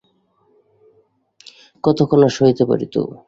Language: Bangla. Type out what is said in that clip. কতক্ষণ আর সহিতে পারিত?